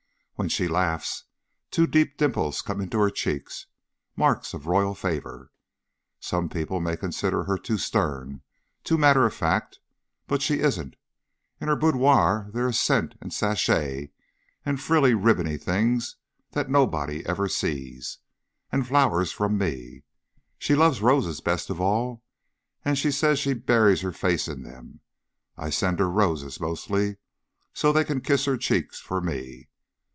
When she laughs two deep dimples come into her cheeks marks of royal favor. Some people may consider her too stern, too matter of fact, but she isn't; in her boudoir there is scent and sachet and frilly, ribbony things that nobody ever sees. And flowers from me. She loves roses best of all and she says she buries her face in them. I send her roses, mostly, so they can kiss her cheeks for me.